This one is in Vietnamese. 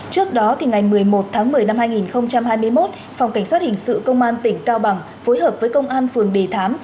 trước đó ngày một mươi một tháng một mươi năm hai nghìn hai mươi một phòng cảnh sát hình sự công an tỉnh cao bằng phối hợp với công an phường đề thám